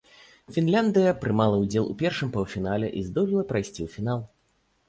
Фінляндыя прымала ўдзел у першым паўфінале і здолела прайсці ў фінал.